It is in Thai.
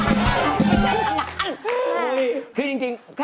ขอบคุณค่ะ